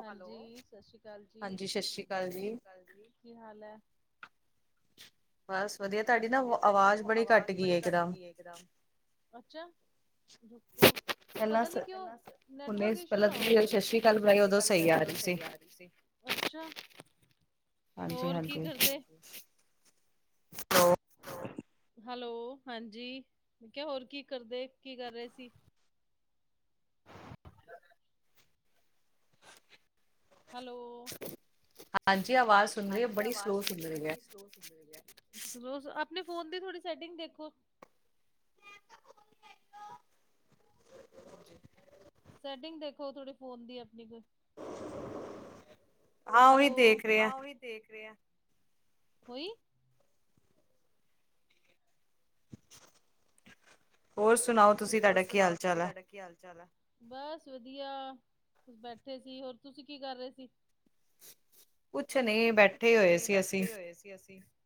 ਹਾਂਜੀ ਸਤਿ ਸ਼੍ਰੀ ਅਕਾਲ ਜੀ ਹਾਂਜੀ ਸਤਿ ਸ਼੍ਰੀ ਅਕਾਲ ਜੀ ਕੀ ਹਾਲ ਹੈ। ਬਸ ਵਧੀਆ ਤੁਹਾਡੀ ਨਾ ਆਵਾਜ਼ ਬੜੀ ਘੱਟ ਗਈ ਇੱਕਦਮ? ਅੱਛਾ। ਪਤਾ ਨੀ ਕਿ ਨੈਵਰਕ ਇਸ਼ੂ ਨਾ ਹੋ ਸਤਿ ਸ੍ਰੀ ਅਕਾਲ ਬੁਲਾਈ ਓਦੋ ਸਹੀ ਆ ਰਹੀ ਸੀ। ਅੱਛਾ। ਹਾਂਜੀ ਹਾਂਜੀ। [unintelligible] ਹਾਂ [unintelligible] ਹੈਲੋ ਹਾਂਜੀ ਹੋਰ ਕੀ ਕਰਦੇ ਕੀ ਕਰ ਰਹੇ ਸੀ? ਹੈਲੋ। ਹਾਂਜੀ ਆਵਾਜ਼ ਸੁਣ ਰਹੀ ਹੈ ਬੜੀ ਸਲੋਅ ਸੁਣ ਰਹੀ ਹੈ। ਆਪਣੇ ਫੋਨ ਦੀ ਥੋੜੀ ਸੈਟਿੰਗ ਦੇਖੋ। ਸੈਟਿੰਗ ਦੇਖੋ ਥੋੜੀ ਫੋਨ ਦੀ ਆਪਣੀ ਕੋਈ? ਹੈਲੋ ਹਾਂ ਉਹੀ ਦੇਖ ਰਹੇ ਆ, ਹੋਈ? ਹੋਰ ਸੁਣਾਓ? ਹੋਰ ਸੁਣਾਓ ਤੁਸੀਂ ਤੁਹਾਡਾ ਕੀ ਹਾਲ ਚਾਲ ਹੈ? ਬਸ ਵਧੀਆ, ਬੈਠੇ ਸੀ। ਹੋਰ ਤੁਸੀਂ ਕੀ ਕਰ ਰਹੇ ਸੀ? ਕੁਛ ਨਹੀਂ, ਬੈਠੇ ਹੋਏ ਸੀ ਅਸੀਂ ਗਏ ਸੀ। ਅਸੀਂ [unintelligible]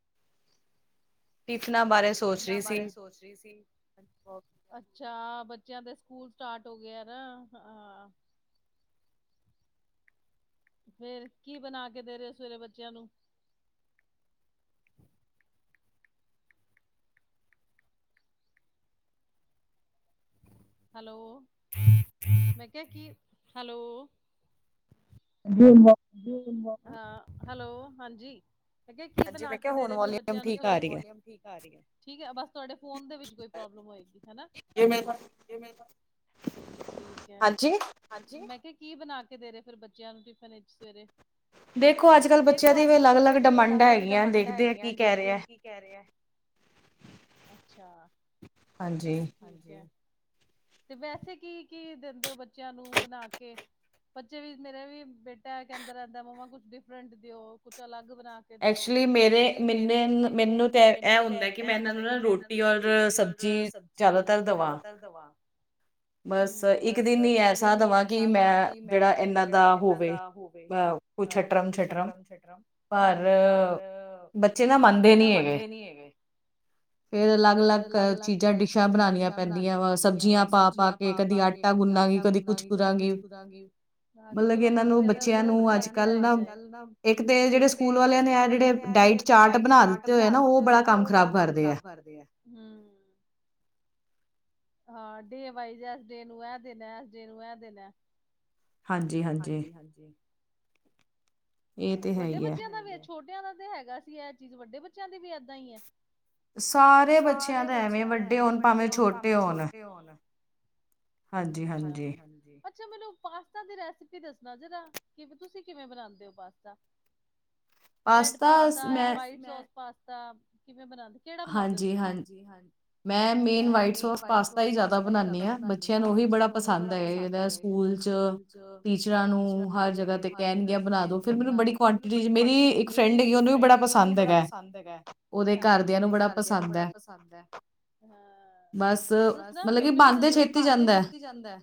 ਇਖਨਾਂ ਬਾਰੇ ਸੋਚ ਰਹੀ ਸੀ। ਅੱਛਾ, ਬੱਚਿਆਂ ਦੇ ਸਕੂਲ ਸਟਾਰਟ ਹੋ ਗਏ ਨਾ, ਹਾਂ। ਫੇਰ, ਕੀ ਬਣਾ ਕੇ ਦੇ ਰਹੇ ਹੋ ਸਵੇਰੇ ਬੱਚਿਆਂ ਨੂੰ? ਹੈਲੋ, ਮੈਂ ਕਿਹਾ ਕੀ, ਹੈਲੋ ਜ [unintelligible] ਹਾਂ, ਹੈਲੋ ਹਾਂਜੀ ਮੈਂ ਕਿਹਾ, ਕੀ ਬਣਾ ਕੇ ਦੇ ਰਹੇ ਫਰ ਬੱਚਿਆਂ ਨੂੰ ਸਵੇਰੇ, ਠੀਕ ਆਹੀ ਵੋਲਯਮ ਠੀਕ ਆ ਰਹੀ, ਠੀਕ ਆਂ, ਬਸ ਤੁਹਾਡੇ ਫੋਨ ਦੇ ਵਿੱਚ ਕੋਈ ਪ੍ਰੋਬਲਮ ਹੋਏਗੀ, ਹਨਾ। ਠੀਕ ਹੈ, ਹਾਂਜੀ ਮੈਂ ਕਿਹਾ [unintelligible] ਕੀ ਬਣਾ ਕੇ ਦੇ ਰਹੇ ਫਿਰ ਬੱਚਿਆਂ ਨੂੰ, ਟਿਫਨ ਵਿੱਚ ਸਵੇਰੇ? ਦੇਖੋ ਅੱਜ ਕੱਲ੍ਹ ਬੱਚਿਆਂ ਦੀ ਵੀ, ਅਲੱਗ-ਅਲੱਗ ਡਿਮੰਡਾਂ ਹੈਗੀਆਂ, ਦੇਖਦੇ ਆ ਕੀ ਕਹਿ ਰਿਹਾ। ਅੱਛਾ। [unintelligible] ਹਾਂਜੀ [unintelligible] ਹਾਂਜੀ [unintelligible] ਤੇ ਵੈਸੇ ਕੀ, ਕੀ ਦਿੰਦੇ ਹੋ ਬੱਚਿਆਂ ਨੂੰ ਬਣਾ ਕੇ? ਬੱਚੇ ਵੀ, ਮੇਰਾ ਵੀ ਬੇਟਾ ਹੈ ਕਹਿੰਦਾ ਰਹਿੰਦਾ, ਮੰਮਾ ਕੁਛ ਡਿਫਰੈਂਟ ਦਿਓ। ਕੁਛ ਅਲੱਗ ਬਣਾ ਕੇ ਦਿਉ। ਐਕਚੁਲੀ ਮੇਰੇ ਮੈਨੇ ਮੈਨੂੰ 'ਕ ਇਹ ਹੁੰਦਾ, ਕਿ ਮੈਂ ਇਹਨਾਂ ਨੂੰ ਨਾ ਰੋਟੀ ਔਰ ਸਬ ਜੀ ਜ਼ਿਆਦਾਤਰ, ਦਵਾ ਹਮ, ਬਸ ਇੱਕ ਦਿਨ ਹੀ ਐਸਾ ਦੇਵਾਂ, ਕਿ ਮੈਂ ਜਿਹੜਾ ਇਹਨਾਂ ਦਾ ਹੋਵੇ। ਕੁਛ ਅੱਟਰਮ ਛੱਟਰਮ, ਹਮ, ਪਰ ਬੱਚੇ ਨਾ ਮੰਨਦੇ ਨੀ ਹੈਗੇ। ਫੇਰ ਅਲੱਗ-ਅਲੱਗ ਚੀਜ਼ਾਂ, ਡਿਸ਼ਾਂ ਬਣਾਉਣੀਆਂ ਪੈਂਦੀਆਂ ਵਾ। ਸਬਜ਼ੀਆਂ ਸਬਜੀਆਂ ਪਾ ਪਾ ਕੇ, ਕਦੀ ਆਟਾ ਗੁੰਨਾਾਂਗੇ, ਕਦੀ ਕੁਛ ਕਰਾਂਗੇ। ਹਾਂਜੀ, ਚਲੋ ਬੱਚਿਆਂ ਨੇ ਅੱਜ ਕੱਲ ਨਾ, ਇੱਕ ਤੇ ਜਿਹੜੇ ਸਕੂਲ ਵਾਲਿਆਂ ਨੇ ਆ ਜਿਹੜੇ ਡਾਇਟ ਚਾਰਟ ਬਣਾ ਦਿੱਤੇ ਹੋਏ ਆ ਨਾ, ਉਹ ਬੜਾ ਕੰਮ ਖ਼ਰਾਬ ਕਰਦੇ ਆ। ਹਮ ਹਾਂ, ਡੇ ਵਾਈਜ਼ ਇਸ ਡੇ ਨੂੰ ਇਹ ਦੇਣਾ, ਇਸ ਡੇ ਨੂੰ ਇਹ ਦੇਨਾ ਹਾਂਜੀ, ਹਾਂਜੀ। ਹਾਂਜੀ। [unintelligible] ਹਾਂ, ਵੱਡੇ ਬੱਚਿਆਂ ਦਾ ਵੀ ਛੋਟਿਆਂ ਦਾ ਤੇ ਹੈਗਾ ਸੀ ਇਹ ਚੀਜ਼, ਵੱਡੇ ਬੱਚਿਆਂ ਦੀ ਵੀ ਏਦਾਂ ਹੀ ਹੈ? ਸਾਰੇ ਬੱਚਿਆਂ ਦਾ ਐਵੇਂ, ਵੱਡੇ ਹੋਣ ਭਾਵੇਂ ਛੋਟੇ ਹੋਣ। ਹਾਂਜੀ, ਹਾਂਜੀ। [unintelligible] ਅੱਛਾ, ਮੈਨੂੰ ਪਾਸਤਾ ਦੀ ਰੈਸਿਪੀ ਦੱਸਣਾ ਜਰਾ, ਕਿ ਤੁਸੀਂ ਕਿਵੇਂ ਬਣਾਉਂਦੇ ਹੋ ਪਾਸਤਾ? [unintelligible] ਰੈਡ ਪਾਤਾ ਵੋ, ਪਾਸਤਾ ਕਿਵੇਂ ਬਣਾਦੇ, ਕਿਹੜਾ ਬਨਾਦੇ ਹੋ ਤੁਸੀਂ? ਹਾਂਜੀ ਮੈਂ ਮੇਨ, ਵਾਈਟ ਸੋਸ ਪਾਸਤਾ ਹੀ ਜਿਆਦਾ ਬਣਾਉਾਨਦੀ ਹਾਂ। ਬੱਚਿਆਂ ਨੂੰ ਉਹ ਵੀ ਬੜਾ ਪਸੰਦ ਹੈ ਇਹਦਾ ਸਕੂਲ 'ਚ ਟੀਚਰਾਂ ਨੂੰ, ਹਰ ਜਗ੍ਹਾ ਤੇ ਕਹਿਣਗੇ ਬਣਾ ਦੋ, ਫਿਰ ਮੈਨੂੰ ਬੜੀ ਕੁਆਂਟੀਟੀ ਮੇਰੀ ਇੱਕ ਫਰੈਂਡ ਹੈਗੀ, ਓਨੂੰ ਵੀ ਬੜਾ ਪਸੰਦ ਹੈਗਾ, ਅੱਛਾ, ਉਹਦੇ ਘਰਦਿਆਂ ਨੂੰ ਬੜਾ ਪਸੰਦ ਹੈ। ਹਾਂ [unintelligible] ਦੱਸਨਾ ਮੈਨੂੰ ਵੀ ਦੱਸੋ, ਮਤਲਬ ਕਿ ਬਨ ਤੇ ਛੇਤੀ ਜਾਂਦਾ,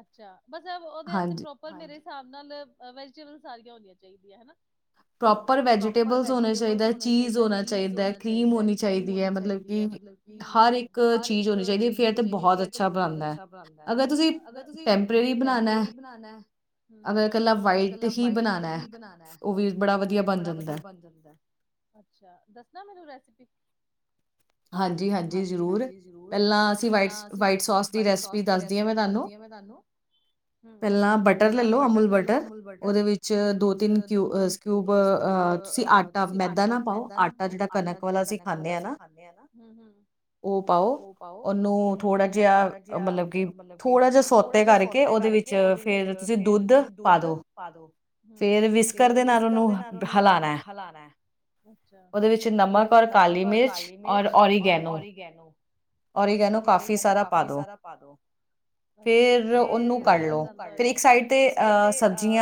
ਅੱਛਾ, ਬਸ ਓਹਦੇ ਆਸਤੇ ਪ੍ਰੋਪਰ ਪਰ ਮੇਰੇ ਹਿਸਾਬ ਨਾਲ, ਵੈਜੀਟੇਬਲ ਸਾਰੀਆਂ ਹੋਨੀਆਂ ਚਾਹੀਦੀਆਂ ਏ, ਹਨਾ। ਪ੍ਰੋਪਰ ਵੈਜੀਟੇਬਲਸ ਹੋਨੇ ਚਾਹੀਦਾ, ਚੀਜ਼ ਹੋਨਾ ਚਾਹੀਦਾ, ਕਰੀਮ ਹੋਨੀ ਚਾਹੀਦੀ ਐ ਮਤਲਬ ਹਰ ਇੱਕ ਚੀਜ਼ ਹੋਨੀ ਚਾਹੀਦੀ, ਫੇਰ ਤੇ ਬਹੁਤ ਅੱਛਾ ਬਨਦਾ ਐ। ਅਗਰ ਤੁਸੀਂ ਟੈਂਪਰੇਰੀ ਬਨਾਨਾ, ਅਗਰ ਇਕੱਲਾ ਵਾਈਟ ਹੀ ਬਨਾਨਾ ਐ ਹਾ ਉਹ ਵੀ ਬੜਾ ਵਧੀਆ ਬਣ ਜਾਂਦਾ, ਅੱਛਾ ਦੱਸਾ ਮੈਨੂੰ ਰੈਸਪੀ ਹਾਂਜੀ- ਹਾਂਜੀ ਜ਼ ਹਾਂਜੀ- ਹਾਂਜੀ ਜ਼ਰੂਰ, ਪਹਿਲਾਂ ਅਸੀਂ ਵ -ਵਾਈਟ ਸੋਸ ਦੀ ਰੈਸਪੀ ਦੱਸਦੀ ਆ ਮੈਂ ਤੁਹਾਨੂੰ ਹਮ ਪਹਿਲਾਂ, ਬਟਰ ਲੈਲੋ ਅਮੁਲ ਬਟਰ, ਓਹਦੇ ਵਿੱਚ ਦੋ ਤਿੰਨ ਕਿਊ- ਕਿਊਬ ਅਹ ਤੁਸੀਂ ਆਟਾ ਮੈਦਾ ਨਾ ਪਾਓ, ਆਟਾ ਜਿਹੜਾ ਕਣਕ ਵਾਲਾ ਅਸੀਂ ਖਾਂਣੇ ਆ ਨਾ। ਹਮ- ਹਮ ਓਹ ਪਾਓ ਓਹ ਨੂੰ ਥੋੜਾ ਜਿਹਾ, ਮਤਲਬ ਕਿ ਥੋੜਾ ਜਿਹਾ ਸੋਤੇ ਕਰਕੇ ਓਹਦੇ ਵਿੱਚ, ਫੇਰ ਤੁਸੀਂ ਦੁੱਧ ਪਾ ਦੋ, ਫੇਰ ਵਿਸ ਕਰ ਦੇਣਾ ਓਹਨੂੰ ਹਲਾਨਾ ਅੱਛਾ, ਓਹਦੇ ਵਿੱਚ ਨਮਕ, ਔਰ ਕਾਲੀ ਮਿਰਚ, ਔਰ ਓਰੀਗੈਨੋ ਹਮ ਔਰੀਗੇਨੋ, ਕਾਫੀ ਸਾਰਾ ਪਾ ਲਉ ਅੱਛਾ, ਫੇਰ ਉਨ੍ਹਾਂ ਨੂੰ ਕੱਢ ਲੋ, ਫਿਰ ਇੱਕ ਸਾਈਡ ਤੇ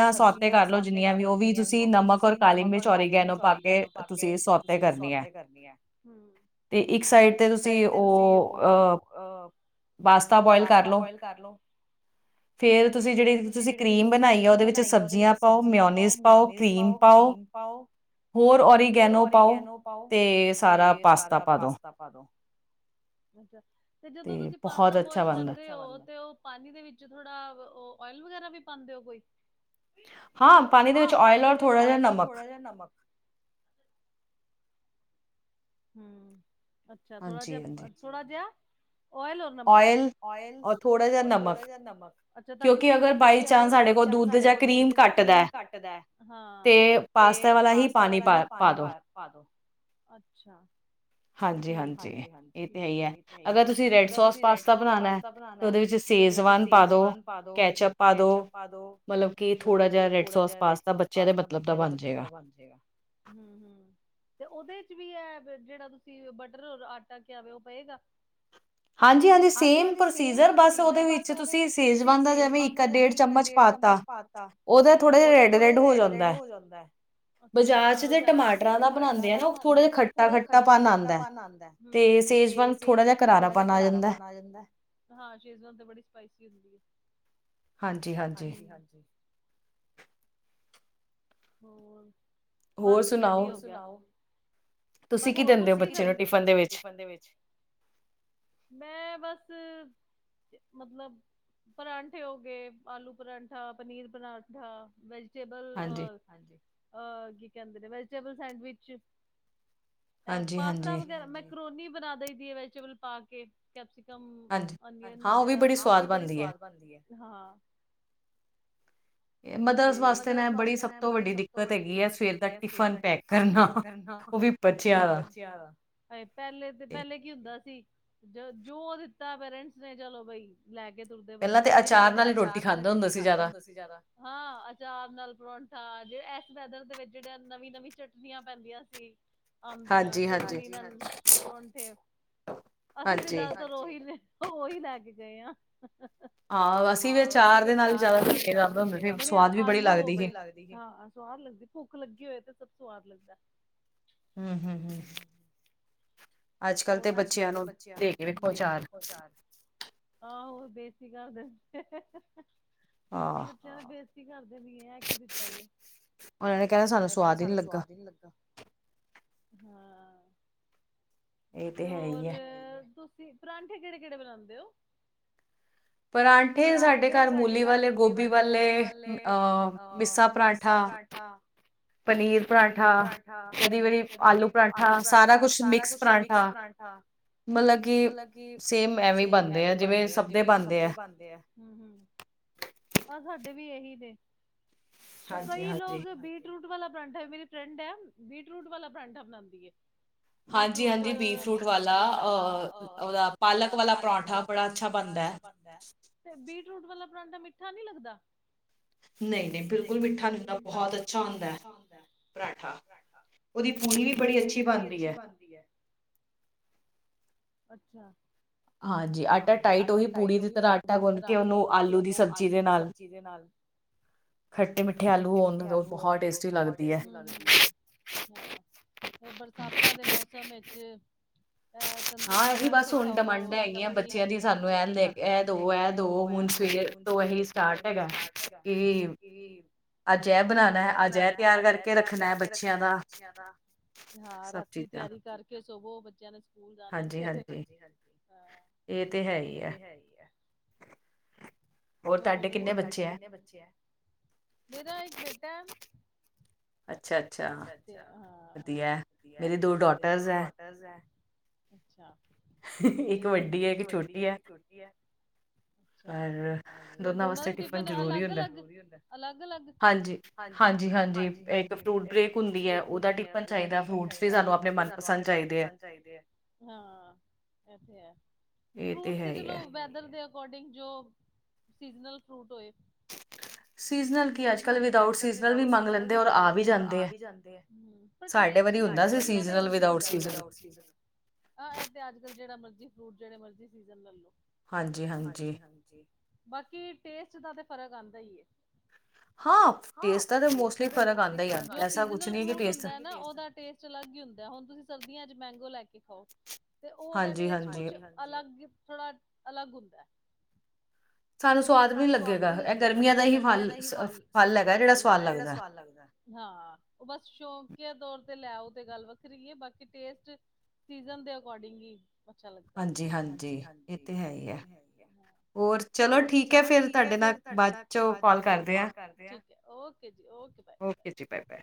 ਸਬਜੀ ਜਿਆਂ ਸੋਤੇ ਕਰ ਲਓ, ਜਿੰਨੀਆਂ ਵੀ ਓਹ ਵੀ ਤੁਸੀਂ, ਨਮਕ, ਔਰ ਕਾਲੀ ਮਿਰਚ, ਔਰੀਗੇਨੋ ਪਾਕੇ ਤੁਸੀਂ ਸੌਤੇ, ਕਰਨੀ ਐ ਹਮ ਤੇ, ਇੱਕ ਸਾਈਡ ਤੇ ਤੁਸੀਂ ਤੇ ਤੁਸੀਂ ਓਹ- ਅਹ ਪਾਸਤਾ, ਬੋਆਇਲ ਕਰ ਲਓ ਅੱਛਾ, ਫੇਰ ਤੁਸੀਂ ਜਿਹੜੀ ਤੁਸੀਂ ਕਰੀਮ ਬਣਾਈ ਆ, ਓਹਦੇ ਵਿੱਚ ਸਬਜ਼ੀਆਂ ਪਾਓ, ਮਿਓਨੀਸ ਪਾਓ, ਕਰੀਮ ਪਾਓ, ਹੋਰ ਓਰੀਗੈਨੋ ਪਾਓ, ਤੇ ਸਾਰਾ ਪਾਸਤਾ ਪਾ ਦੋ। ਅੱਛਾ, ਤੇ ਜਦੋਂ ਤੁਸੀਂ ਪਾਸਤਾ ਬੋਇਲ, ਕਰਦੇ ਓ ਤੇ ਓਹ ਪਾਣੀ ਦੇ ਵਿੱਚ ਥੋੜਾ, ਓ ਓਇਲ ਵਗੈਰਾ ਵੀ, ਪਾਉਂਦੇ ਓ ਕੋਈ? ਹਾਂ, ਪਾਣੀ ਦੇ ਵਿੱਚ ਔਇਲ, ਔਰ ਥੋੜਾ ਜਿਹਾ ਨਮਕ ਹਮ ਅੱਛਾ, ਥੋੜਾ ਜਿਹਾ -ਥੋੜਾ ਜਿਹਾ ਔਇਲ? ਨਮਕ, ਔਇਲ, ਔਰ ਥੋੜਾ ਜਿਹਾ ਨਮਕ, ਅੱਛਾ ਅਗਰ ਬਾਈ ਚਾਂਸ, ਸਾਡੇ ਕੋਲ ਦੁੱਧ ਯਾਂ ਕਰੀਮ ਘੱਟਦਾ ਹਾ, ਤੇ ਪਾਸਤਾ ਵਾਲਾ ਹੀ ਪਾਣੀ ਪਾਦੋ ਅੱਛਾ। ਕੀ ਹਾਲ, ਹਾਂਜੀ- ਹਾਂਜੀ ਏ ਤੇ ਹੈ ਹੀ ਐ ਅਗਰ ਤੁਸੀਂ ਰੈਡ ਸੋਸ, ਪਾਸਤਾ ਬਨਾਣਾ ਓਹਦੇ ਵਿੱਚ ਸੇਜ਼ਵਾਨ ਪਾਦੋ, ਕੈਚਅਪ ਪਾ ਦੋ, ਮਤਲਬ ਕਿ, ਥੋੜਾ ਜਿਹਾ ਰੈੱਡ ਸੋਸ ਪਾਸਤਾਂ, ਬੱਚਿਆਂ ਦੇ ਮਤਲਬ ਦਾ ਬਣ ਜਾਏਗਾ। ਹਮ -ਹਮ ਤੇ ਓਹਦੇ ਚ ਵੀ, ਇਹ ਜਿਹੜਾ ਤੁ ਤੇ ਬਟਰ ਔਰ ਆਟਾ, ਕਿਆ ਵੇ ਓ ਪਏਗਾ ਹਾਂਜੀ -ਹਾਂਜੀ ਸੇਮ ਪ੍ਰੋਸੀਜਰ, ਬਸ ਓਹਦੇ ਵਿੱਚ ਤੁਸੀਂ ਸੇਜਵਾਨ ਦਾ ਜਿਵੇਂ, ਇੱਕ ਡੇਢ ਚਮਚ ਪਾ ਤਾ ਓਹਦਾ ਥੋੜਾ, ਰੈਡ- ਰੈਡ ਹੋ ਜਾਂਦਾ ਬਜਾਰ ਚ ਤੇ ਟਮਾਟਰਾਂ ਬਣਾਦੇ ਆ, ਓਹ ਥੋੜਾ ਖੱਟਾ- ਖੱਟ ਪਤਾ ਲਾਦਾ ਹਮ, ਤੇ ਸੇਜਵਾਨ ਥੋੜਾ ਜਿ ਕਰਾਰਾ ਪਨ ਆ ਜਾਂਦਾ, ਹਾਂ ਸ਼ੇਜਵਾਨ ਤੇ ਬੜੀ ਸਪਾਈਸੀ ਹੁੰਦੀ ਏ ਹਾਂਜੀ- ਹਾਂਜੀ ਹਾਂਜੀ। ਹੋਰ ਬਸ ਵਧੀਆ, ਹੋਰ ਸੁਨਾਓ? ਬਸ ਹੋਰ ਕੁਛ ਨ ਕਰਿੰਦੇ ਤੁਸੀਂ ਕੀ ਕਹਿਦੇ ਬੱਚੇ ਦੇ ਟਿਫਨ ਦੇ ਵਿੱਚ ਮੈਂ ਬਸ। ਮਤਲਬ, ਪਰਾਂਠੇ ਹੋ ਗਏ ਆਲੂ ਪਰਾਂਠਾ, ਪਨੀਰ ਪਰਾਂਠਾ, ਵੈਜ ਚੱਲੋ, ਹਾਂਜੀ, ਅ ਕੀ ਕਹਿੰਦੇ ਨੇ, ਚੱਲੋ ਸੈਂਡਵਿਚ ਅ ਪਾਸਤਾ ਵਗੈਰਾ, ਮੈਂਕਰੋਨੀ ਬਨਾ ਦਈ ਦੀ ਐ ਵੈਜੀਟੇਬਲ ਪਾ ਕੇ ਕੈਪਸੀਕਮ, ਅਨਨਿਅਨ, ਵਗੇਰਾ ਆ ਵੀ ਬੜੀ ਸਵਾਦ ਬਣਦੀ ਆ ਤੇ, ਮਦਰਸ ਵਾਸਤੇ ਐ ਨਾ ਬੜੀ, ਸਭ ਤੋਂ ਵੱਡੀ ਦਿੱਕਤ ਹੈਗੀ ਐਂ, ਸਵੇਰ ਦਾ ਟਿਫਨ ਪੈਕ ਕਰਨਾ ਓਹ ਵਿ, ਬੱਚਿਆਂ ਦਾ ਪਹਿਲੇ ਤੇ, ਪਹਿਲੇ ਕੀ ਹੁੰਦਾ ਸੀ। ਜੋ ਦਿੱਤਾ ਪੇਰੈਂਟਸ ਨੇ ਚਲੋ ਬਈ ਲੈ ਕੇ ਤੁਰਦੇ ਬੰਨੇ, ਪਹਿਲੇ ਤਾ ਅਚਾਰ ਨਾਲ ਰੋਟੀ ਖਾਂਦੇ ਹੁੰਦੇ ਸੀ ਜ਼ਾਦਾ। ਹਾਂ ਅਚਾਰ ਨਾਲ ਪਰੋਂਠਾ, ਐਸ ਵੈਦਰ ਦੇ ਵਿੱਚ ਜੇਹੜੀ ਨਵੀਂ- ਨਵੀਂ ਚਟਨੀਆਂ ਪੈਂਦੀਆਂ ਸੀ। ਅੰਬੀਆ ਚਟਨੀ ਨਾਲ ਪਰੋਂਠੇ, ਅਸੀਂ ਤੇ ਜ਼ਿਆਦਾਤਰ ਉਹੀ ਨੇ ਉਹੀ ਲੈ ਕੇ ਗਏ ਆ, ਹ ਹ, - ਹਾਂ ਅਸੀਂ ਵੀ ਆਚਾਰ ਦੇ ਨਾਲ ਈ ਜ਼ਾਦਾ- ਬੜੀ ਹਦ ਆਲੂ, ਆਲੂ ਵਾਲੀ ਸਵਾਦ ਵੀ ਬੜੀ ਲੱਗਦੀ ਏ, ਹਾ ਸਵਾਦ ਲੱਗੀ, ਭੋਖ ਲਗੀ ਹੋਏ ਤੇ ਸਭ ਸਵਾਦ ਲਗਦਾ। ਹਮ ਹਮ ਹਮ ਹੋਰ ਅੱਜ- ਕੱਲ੍ਹ ਤੇ ਬੱਚੇਆਂ ਨੂੰ ਦੇ ਕੇ ਵੇਖੋ ਚਾਰ। ਆਹੋ ਦੇਸੀ ਘਾਰ ਦੇ ਬੱਚੇ ਹਹ ਆ, ਬੱਚੇਆ ਨੇ ਬੇਸਤੀ ਕਰ ਦੇਣੀ, ਏ, ਕੀ ਦਿੱਤਾ ਜੇ। ਓਨਾਂ ਨੇ ਕੈਣਾ ਸਾਨੂੰ ਸਵਾਦ ਈ ਨੀ ਲੱਗਾ, ਹਾਂ। ਤੇ ਹੋਰ ਤੁਸੀਂ ਪਰਾਂਠੇ ਕੇੜੇ- ਕੇੜੇ ਬਣਾਂਦੇ ਓ। ਪਰਾਂਠੇ ਸਾਡੇ ਘਰ ਮੂਲੀ ਵਾਲੇ, ਗੋਭੀ ਵਾਲੇ, ਅਹ ਮਿੱਸਾ ਪਰਾਂਠਾ ਪਨੀਰ ਪਰਾਂਠਾ, ਕਦੀ ਵਾਰੀ ਆਲੂ ਪਰਾਂਠਾ, ਸਾਰਾ ਕੁਛ ਮਿਕਸ ਪਰਾਂਠਾ ਮਤਲਬ ਕਿ ਸੇਮ ਐਵੇਂ ਬਣਦੇ ਆ, ਜਿਵੇਂ ਸਭ ਦੇ ਬਣਦੇ ਆ। ਆਹ ਸਾਡੇ ਵੀ ਏਹੀ ਨੇ, ਤੇ ਕਈ ਲੋਕ ਬੀ ਬੀਟ ਰੂਟ ਵਾਲਾ ਪਰਾਂਡਾ, ਮੇਰੀ ਫਰੈਂਡ ਐ, ਬੀਟ ਰੂਟ ਵਾਲਾ ਪਰਾਂਠਾ ਬਣਾਂਦੀ ਏ। ਬੀਟਰੂਟ ਹਾਂਜੀ ਬੀਟਰੂਟ ਵਾਲਾ ਅਹ ਓਦਾ ਪਾਲਕ ਵਾਲਾ ਪਰੋਠਾ ਬੜਾ ਅੱਛਾ ਬਣਦਾ, ਤੇ ਬੀਟ ਰੂਟ ਵਾਲਾ ਪਰਾਂਠਾ ਮਿੱਠਾ ਨਈ ਲੱਗਦਾ? ਨਈ-ਨਈ ਬਿਲਕੁਲ ਮਿੱਠਾ ਨਈ ਹੁੰਦਾ, ਬੋਤ ਅੱਛਾ ਹੁੰਦਾ। ਪਰਾਂਠਾ, ਓਦੀ ਪੂਰੀ ਵੀ ਬੜੀ ਅੱਛੀ ਬਣਦੀ ਐ। ਅੱਛਾ। ਹਾਂਜੀ, ਆਟਾ ਟਾਈਟ ਓਹੀ ਪੂੜ ਦੀ ਤਰ੍ਹਾਂ ਆਟਾ ਗੁੰਨ ਕੇ ਓਨੂੰ ਆਲੂ ਦੀ ਸਬਜ਼ੀ ਦੇ ਨਾਲ ਖੱਟੇ -ਮਿੱਠੇ ਆਲੂ ਹੋਣ ਓਦੋਂ ਬੋਹਤ, ਹੁਹ, ਟੇਸਟੀਲੱਗਦੀ ਐ। ਹਾਂ, ਤੇ ਬਰਸਾਤਾਂ ਦੇ ਮੌਸਮ ਵਿੱਚ ਐ ਤੰਦੂਰੀ ਪਰਾਂਠੇ ਖਾਓ ਡਿਮਾਂਡਾ ਹੈਗੀਆ ਬੱਚੇਆਂ ਦੀ ਸਾਨੂੰ ਏ, ਦੋ ਏ, ਦੋ ਹੁਣ ਸਵੇਰ ਤੋ ਏਹੀ ਸਟਾਰਟ ਹੈਗਾ। ਕਿ ਅਹ ਅੱਜ ਬਨਾਣਾ ਐ, ਅੱਜ ਐ ਤੇਆਰ ਕਰਕੇ ਰੱਖਣਾ ਬੱਚੇਆਂ ਦਾ। ਹਾਂ ਰਾਤੀ ਤਿਆਰੀ ਕਰਕੇ ਸੋਵੋ, ਬੱਚੇਆਂ ਨੇ ਸਕੂਲ ਜਾਣਾ ਸਵੇਰੇ ਹਾਂਜੀ- ਹਜੀ। ਏ, ਤੇ, ਹੈ, ਈ, ਆ। ਹੋਰ ਹੋਰ ਤਾਡੇ ਕਿੰਨੇ ਬੱਚੇ ਆ? ਮੇਰਾ ਇੱਕ ਬੇਟਾ। ਅੱਛਾ- ਅੱਛਾ। ਅੱਛਾ -ਅੱਛ, ਤੇ ਹਾਂ ਵੱਧੀਆ ਮੇਰੇ ਦੋ ਡੋਟਰਸ ਆ। ਅੱਛਾ, ਤੇ ਇੱਕ ਵੱਡੀ ਏ, ਇੱਕ ਛੋਟੀ ਏ। ਅੱਛਾ, ਤੇ ਦੋਨਾਂ ਦੇ ਟਿਫਨ ਅਲੱਗ- ਅਲੱਗ, ਅਲੱਗ -ਅਲੱਗ? ਹਾਂਜੀ- ਹਾਂਜੀ- ਹਾਂਜੀ ਇੱਕ ਫਰੂਟ ਬ੍ਰੇਕ ਹੁੰਦੀ ਏ, ਓਦਾ ਟਿਫਨ ਚਾਈਦਾ, ਫਰੂਟਸ ਤੇ ਸਾਨੂੰ ਆਪਣੇ ਮਨਪਸੰਦ ਚਾਈਦੇ ਆ, ਹਾਂ ਏ ਤੇ ਹੈ, ਫਰੂਟ ਤੇ ਚਲੋ ਵੈਦਰ ਦੇ ਅਕੋਡਿੰਗ ਜੋ ਸੀਜ਼ਨਲ ਫਰੂਟ ਹੋਏ। ਸੀਜਨਲ ਕੀ ਅੱਜ- ਕਲ ਵਿਦਾਊਟ ਸੀਜਨਲ ਵੀ ਮੰਗ ਲੈਂਦੇ ਔਰ ਆ ਵੀ ਜਾਂਦੇ ਆ। ਪਰ ਟੇਸਟ ਨਈ ਹੁੰਦਾ, ਸਾਡੇ ਵਾਰੀ ਹੁੰਦਾ ਸੀ ਸੀਜਨਲ, ਵਿਦਾਊਟ ਸੀਜਨ। ਆਹ ਏਹ ਤੇ ਅੱਜ- ਕੱਲ੍ਹ ਜੇੜਾ ਮਰਜ਼ੀ ਫਰੂਟ ਜੇੜੇ ਮਰਜ਼ੀ ਸੀਜ਼ਨ ਲੈ ਲੋ। ਹਾਂਜੀ -ਹਾਂਜੀ। ਹਾਂਜੀ -ਹਾਂਜੀ ਬਾਕੀ ਟੇਸਟ ਦਾ ਤੇ ਫ਼ਰਕ ਆਂਦਾ ਈ ਏ। ਹਾਂ ਟੇਸਟ ਦਾ ਤੇ ਮੋਸਲੀ ਫਰਕ ਆਂਦਾ ਇ ਆਂਦਾ, ਜੋ ਸੀਜਨਲੀ ਫਰੂਟ ਹੁੰਦਾ ਨਾ ਓਦਾ ਟੇਸਟ ਕੁਛ ਅਲੱਗ ਹੀ ਹੁੰਦਾ, ਹੁਣ ਤੁਸੀਂ ਸਰਦੀਆਂ ਚ ਮੈਂਗੋ ਲੈ ਕੇ ਖਾਓ ਤੇ ਓਦਾ ਟੇਸਟ ਕੁਛ ਹਾਂਜੀ-ਹਾਂਜੀ। ਅਲੱਗ ਥੋੜ੍ਹਾ ਅਲੱਗ ਹੁੰਦਾ ਸਾਨੂੰ ਸਵਾਦ ਵੀ ਲੱਗੇਗਾ, ਇਹ ਗਰਮੀਆਂ ਦਾ ਹੀ ਫਲ ਫਲ ਹੈਗਾ ਜਿਹੜਾ ਸਵਾਦ ਲੱਗਦਾ ਹਾਂ ਉਹ ਬਸ ਸ਼ੋਕਿਆ ਤੌਰ ਤੇ ਲੈ ਉਹ ਤੇ ਗੱਲ ਵੱਖਰੀ ਹੈ ਬਾਕੀ ਟੇਸਟ ਸੀਜਨ ਦੇ ਅਕੋਡਿੰਗ ਹੀ ਅੱਛਾ ਲਗਦਾ ਹਾਂਜੀ- ਹਾਂਜੀ ਇਹ ਤੇ ਹੈ ਈ ਐ। ਹੋਰ ਹੋਰ, ਚਲੋ ਠੀਕ ਹੈ ਫਿਰ ਤੁਹਾਡੇ ਨਾਲ ਬਾਦ ਚੋ ਕਾਲ ਕਰਦੇ ਆ ਔ ਕੇ ਜੀ ਔ ਕੇ ਓਕੇ ਜੀ ਬਾਏ ਬਾਏ